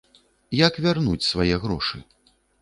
Як вярнуць свае грошы?